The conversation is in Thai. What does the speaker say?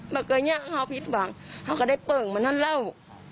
เมื่อเกิดเนี่ยเขาผิดหวังเขาก็ได้เปิ่งมันนั่นแล้ว